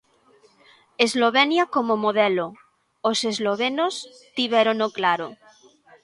Eslovenia como modelo: Os eslovenos tivérono claro.